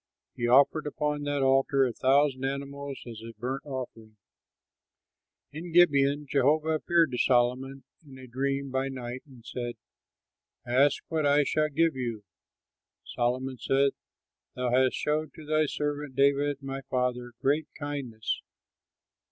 He offered upon that altar a thousand animals as a burnt offering. In Gibeon Jehovah appeared to Solomon in a dream by night and said, "Ask what I shall give you." Solomon said, "Thou hast showed to thy servant David my father great kindness.